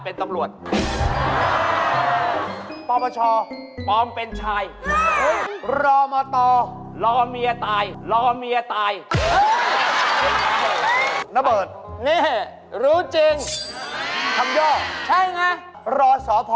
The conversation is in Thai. โอ้โฮโอ้โฮโอ้โฮ